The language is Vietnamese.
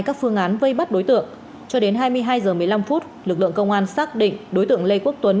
các phương án vây bắt đối tượng cho đến hai mươi hai h một mươi năm phút lực lượng công an xác định đối tượng lê quốc tuấn